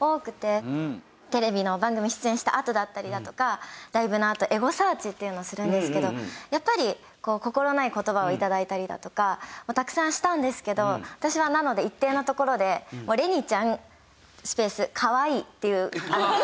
テレビの番組出演したあとだったりだとかライブのあとエゴサーチっていうのをするんですけどやっぱり心ない言葉を頂いたりだとかたくさんしたんですけど私はなので一定のところで「れにちゃんスペースかわいい」っていういい。